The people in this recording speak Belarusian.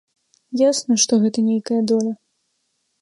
Ясна, што гэта нейкая доля.